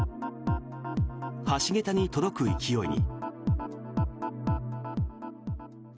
橋桁に届く勢いに。